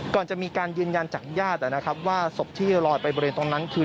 ก่อนจะมีการยืนยันจากญาตินะครับว่าศพที่ลอยไปบริเวณตรงนั้นคือ